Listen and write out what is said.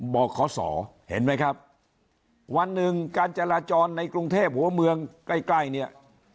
บขศเห็นไหมครับวันหนึ่งการจราจรในกรุงเทพหัวเมืองใกล้ใกล้เนี่ย